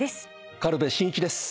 軽部真一です。